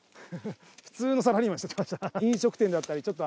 普通のサラリーマンしてました。